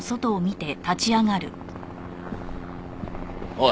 おい。